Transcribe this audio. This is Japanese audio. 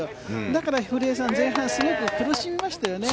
だから古江さん前半、すごく苦しみましたよね。